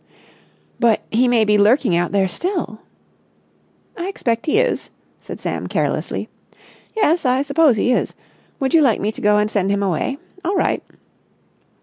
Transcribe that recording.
"But he may be lurking out there still!" "I expect he is," said Sam carelessly. "Yes, I suppose he is. Would you like me to go and send him away? All right."